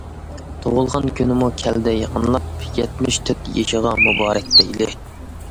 تۇغۇلغان كۈنىمۇ كەلدى يېقىنلاپ، يەتمىش تۆت يېشىغا مۇبارەك، دەيلى!